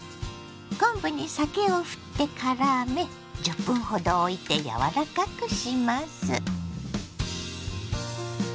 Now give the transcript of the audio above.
昆布に酒をふってからめ１０分ほどおいて柔らかくします。